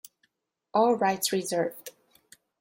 All rights reserved.